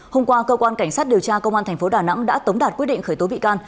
hôm qua cơ quan cảnh sát điều tra công an tp đà nẵng đã tống đạt quyết định khởi tố bị can